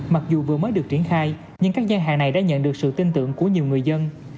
mặc dù vừa mới được triển khai nhưng các gian hàng này đã nhận được sự tin tưởng của nhiều người dân